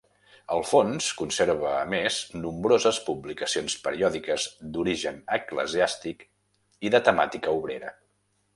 El fons conserva, a més, nombroses publicacions periòdiques d'origen eclesiàstic i de temàtica obrera.